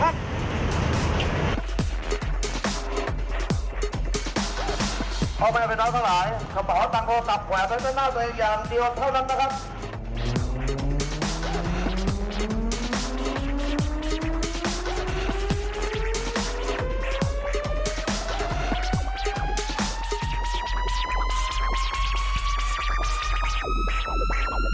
เอาไปเป็นน้ำสาหร่ายข้าวบ่อตังโฟตับแหวะไปเป็นหน้าตัวเองอย่างเดียวเท่านั้นนะครับ